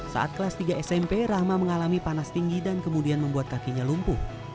saat kelas tiga smp rahma mengalami panas tinggi dan kemudian membuat kakinya lumpuh